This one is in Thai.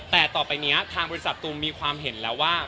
แต่ต่อไปนี้ทางบริษัทตูมมีความเห็นแล้วว่า